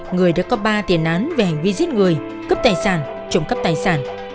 người đã có ba tiền án về hành vi giết người cướp tài sản trộm cắp tài sản